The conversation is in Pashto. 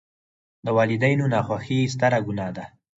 د والداینو ناخوښي ستره ګناه ده.